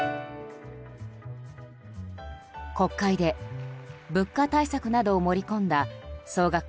国会で物価対策などを盛り込んだ総額